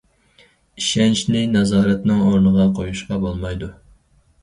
ئىشەنچنى نازارەتنىڭ ئورنىغا قويۇشقا بولمايدۇ.